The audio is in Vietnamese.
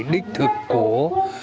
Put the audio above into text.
đích thực của